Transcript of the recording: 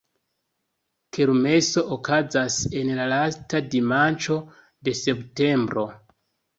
Kermeso okazas en la lasta dimanĉo de septembro.